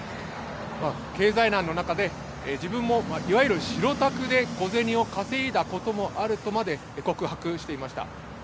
経済難の中で自分もいわゆる白タクで小銭を稼いだこともあるとまで告白していました。